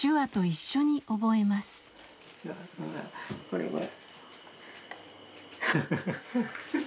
これは？